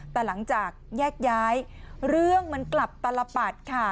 แต่หลังจากแยกย้ายเรื่องมันกลับตลปัดค่ะ